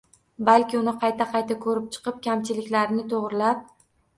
Balki, uni qayta-qayta ko‘rib chiqib, kamchiliklarini to‘g‘rilab